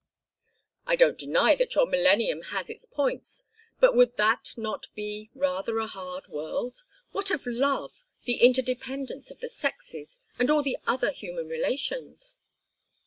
"I don't deny that your millennium has its points, but would that not be rather a hard world? What of love, the interdependence of the sexes, and all the other human relations?"